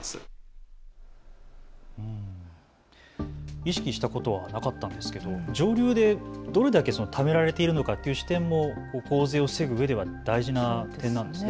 意識したことはなかったんですけども上流でどれだけためられているのかという視点も洪水を防ぐ上では大事な点なんですね。